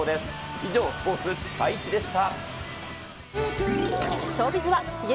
以上、スポーツピカイチでした。